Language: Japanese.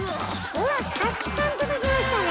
うわったくさん届きましたね！